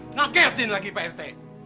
ngakertin lagi pak rt